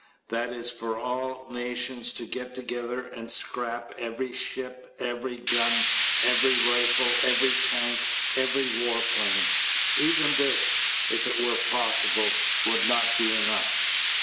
That is for all nations to get together and scrap every ship, every gun, every rifle, every tank, every war plane. Even this, if it were possible, would not be enough.